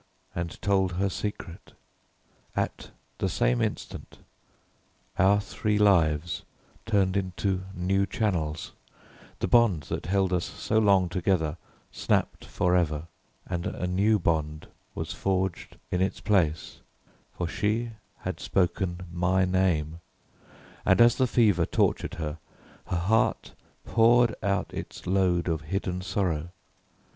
and told her secret. At the same instant our three lives turned into new channels; the bond that held us so long together snapped for ever and a new bond was forged in its place, for she had spoken my name, and as the fever tortured her, her heart poured out its load of hidden sorrow.